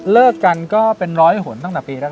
เลิกกันก็เป็นร้อยหนตั้งแต่ปีแรก